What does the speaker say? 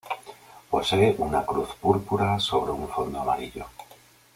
Posee una Cruz púrpura sobre un fondo amarillo.